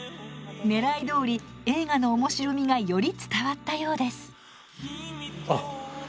ねらいどおり映画の面白みがより伝わったようです。